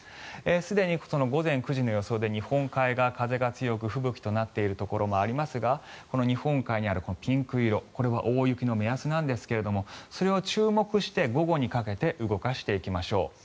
すでに午前９時の予想で日本海側は風が強く吹雪となっているところもありますが日本海にあるピンク色これは大雪の目安なんですがそれに注目して午後にかけて動かしていきましょう。